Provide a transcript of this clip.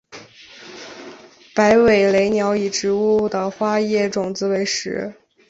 白尾雷鸟以植物的花叶种子为食。